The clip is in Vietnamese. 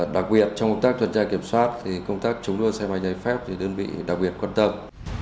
đặc biệt trong công tác tuần tra kiểm soát thì công tác chống đua xe máy nhảy phép thì đơn vị đặc biệt quan tâm